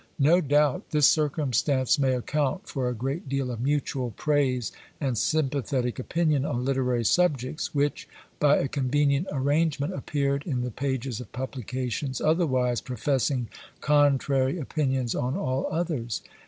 No doubt this circumstance may account for a great deal of mutual praise and sympathetic opinion on literary subjects, which, by a convenient arrangement, appeared in the pages of publications otherwise professing contrary opinions on all others.